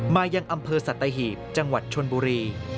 มายังอำเภอสัตหีบจังหวัดชนบุรี